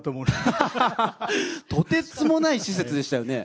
とてつもない施設でしたね。